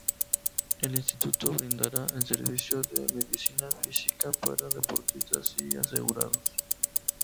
El instituto brindará el servicio de medicina física para deportistas y asegurados.